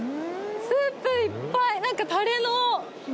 スープいっぱい！